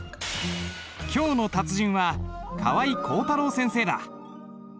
今日の達人は川合広太郎先生だ。